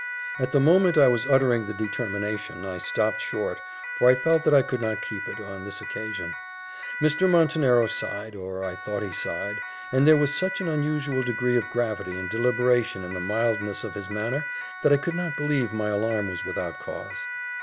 At the moment I was uttering the determination, I stopped short, for I felt that I could not keep it, on this occasion. Mr. Montenero sighed, or I thought he sighed, and there was such an unusual degree of gravity and deliberation in the mildness of his manner, that I could not believe my alarm was without cause.